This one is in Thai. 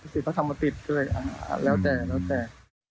ศิษย์ธรรมดิตด้วยแล้วแต่แล้วแต่